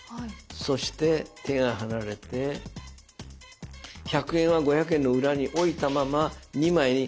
そして手が離れて１００円は５００円の裏に置いたまま２枚に。